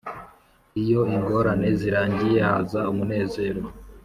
iyo ingorane zirangiye haza umunezero.